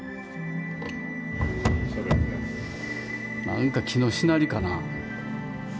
何か木のしなりかな？